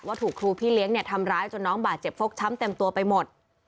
ถูกครูพี่เลี้ยงทำร้ายจนน้องบาดเจ็บฟกช้ำเต็มตัวไปหมด